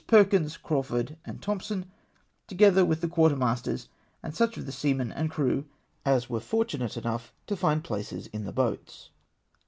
Perkyns, Crawford, and Thompson, together with the quartermasters and such of the seamen and crew as were fortunate enough to find places in the boats.